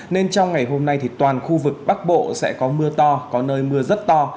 nên trong ngày hôm nay thì toàn khu vực bắc bộ sẽ có mưa to có nơi mưa rất to